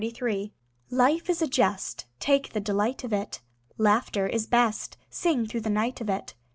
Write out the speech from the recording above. LIFE Life is a jest; Take the delight of it. Laughter is best; Sing through the night of it.